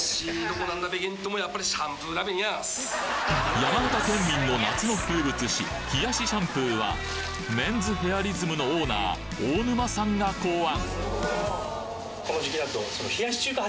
山形県民の夏の風物詩冷やしシャンプーはメンズヘアリズムのオーナー大沼さんが考案